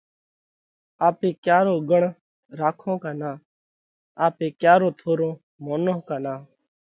آپي ڪيا رو ڳڻ راکونه ڪا نان؟ آپي ڪيا رو ٿورو مونونه ڪا نان؟